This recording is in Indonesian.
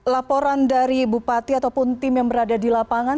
laporan dari bupati ataupun tim yang berada di lapangan